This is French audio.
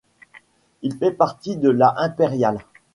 Il fait partie de la impériale.